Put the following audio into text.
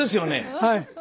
はい。